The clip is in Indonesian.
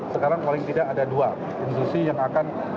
sekarang paling tidak ada dua institusi yang akan